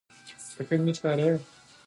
مرستې باید په سمه توګه وویشل سي.